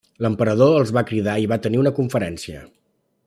L'emperador els va cridar i va tenir una conferència.